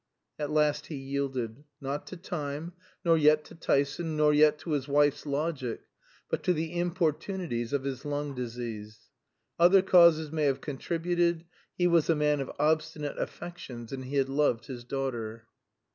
At last he yielded. Not to time, nor yet to Tyson, nor yet to his wife's logic, but to the importunities of his lung disease. Other causes may have contributed; he was a man of obstinate affections, and he had loved his daughter.